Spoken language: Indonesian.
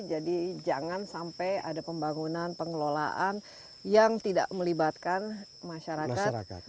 jadi jangan sampai ada pembangunan pengelolaan yang tidak melibatkan masyarakat